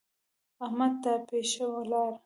احمد ناپېښه ولاړ.